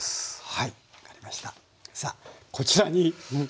はい。